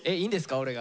俺が。